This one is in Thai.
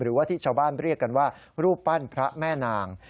หรือว่าที่ชาวบ้านเรียกกันว่ารูปปั้นพระแม่นาง